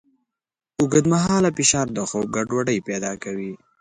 اوږدمهاله فشار د خوب ګډوډۍ پیدا کوي.